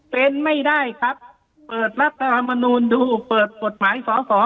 เป็นไม่ได้ครับเปิดรัฐธรรมนูลดูเปิดกฎหมายสอสอ